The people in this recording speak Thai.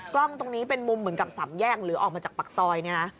กล้องตรงนี้เป็นมุมเหมือนกับสำแยกหรือออกมาจากปากซอยเนี่ยนะ